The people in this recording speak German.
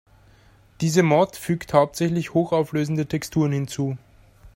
Diese Mod fügt hauptsächlich hochauflösende Texturen hinzu.